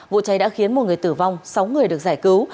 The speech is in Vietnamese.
vụ cháy đã khiến một người tử vong sáu người được giải cứu